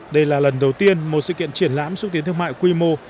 đây là lần đầu tiên một sự kiện triển lãm xúc tiến thương mại quy mô